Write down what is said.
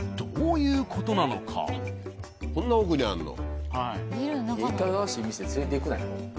いかがわしい店連れていくなよ。